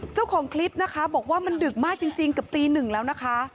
เจ้าของคลิปนะคะบอกว่ามันดึกมากจริงเกือบตีหนึ่งแล้วนะคะ